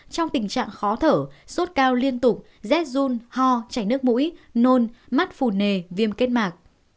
trong tình trạng khó thở sốt cao liên tục rét run ho chảy nước mũi nôn mắt phù nề viêm kết mạc